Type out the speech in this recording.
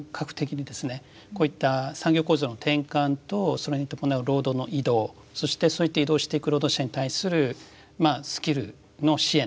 こういった産業構造の転換とそれに伴う労働の移動そしてそういった移動していく労働者に対するスキルの支援ですね。